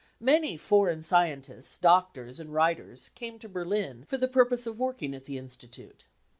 Many foreign scientists, doctors and writers came to Berlin for the purpose of working at the institute.